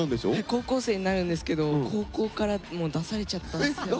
高校生になるんですけど高校から出されちゃったんですよ。